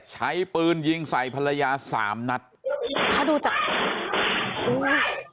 ใช้ปืนยิงใส่ภรรยาสามนัดถ้าดูจากอุ้ย